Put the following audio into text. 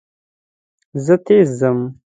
زه تېز ځم.